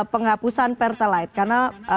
penghapusan pertalite karena